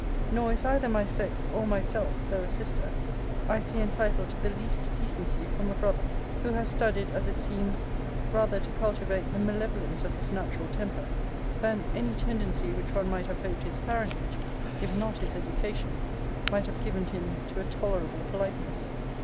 Nor is either my sex or myself, though a sister, I see entitled to the least decency from a brother, who has studied, as it seems, rather to cultivate the malevolence of his natural temper, than any tendency which one might have hoped his parentage, if not his education, might have given him to a tolerable politeness.